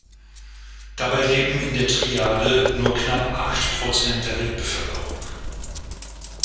Dabei leben in der Triade nur knapp acht Prozent der Weltbevölkerung.